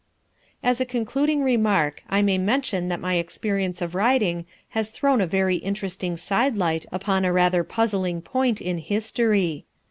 As a concluding remark, I may mention that my experience of riding has thrown a very interesting sidelight upon a rather puzzling point in history.